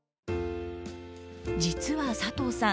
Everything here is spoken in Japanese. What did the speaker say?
実は佐藤さん